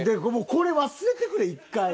これ忘れてくれ一回。